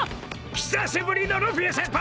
久しぶりのルフィ先輩］